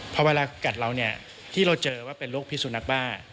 พอเวลากัดเราเนี่ยที่เราเจอว่าเป็นโรคพิสุนักบ้า